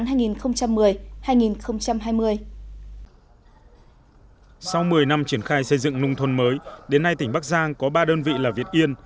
sau một mươi năm triển khai xây dựng nông thôn mới đến nay tỉnh bắc giang có ba đơn vị là việt yên